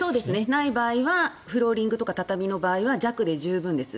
ない場合はフローリングとか畳の場合は「弱」で十分です。